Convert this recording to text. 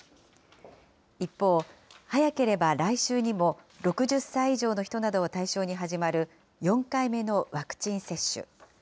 一方、早ければ来週にも、６０歳以上の人などを対象に始まる、４回目のワクチン接種。